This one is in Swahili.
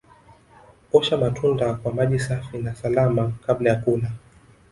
Osha matunda kwa maji safi na salama kabla ya kula